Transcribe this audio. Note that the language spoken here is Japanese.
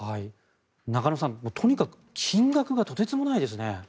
中野さん、とにかく金額がとてつもないですね。